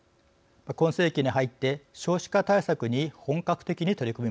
今世紀に入って少子化対策に本格的に取り組みました。